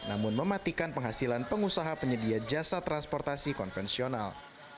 namun mematikan penghasilan pengusaha penyedia jasa transportasi konvensional